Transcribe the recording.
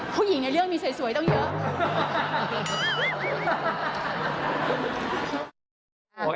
ผู้หญิงในเรื่องนี้สวยต้องเยอะ